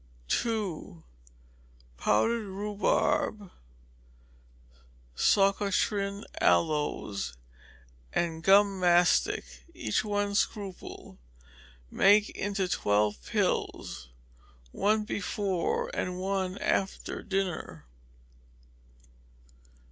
2. Powdered rhubarb, Socotrine aloes, and gum mastic, each one scruple; make into twelve pills: one before and one after dinner.